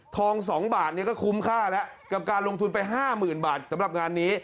๒บาทก็คุ้มค่าแล้วกับการลงทุนไป๕๐๐๐บาทสำหรับงานนี้